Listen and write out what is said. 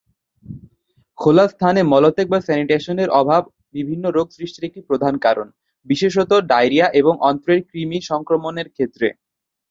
খোলা স্থানে মলত্যাগ বা স্যানিটেশন এর অভাব বিভিন্ন রোগ সৃষ্টির একটি প্রধান কারণ; বিশেষত ডায়রিয়া এবং অন্ত্রের কৃমি সংক্রমণের ক্ষেত্রে।